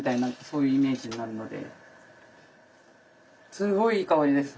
すごいいい香りです！